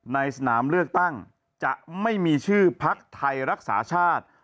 ในสนามเลือกตั้งจะไม่มีชื่อพักไทยรักษาชาติ